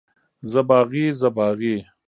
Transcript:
زه باغي، زه باغي.